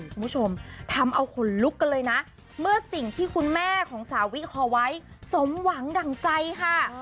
คุณผู้ชมทำเอาขนลุกกันเลยนะเมื่อสิ่งที่คุณแม่ของสาวิคอไว้สมหวังดั่งใจค่ะ